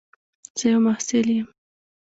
زه یو محصل یم.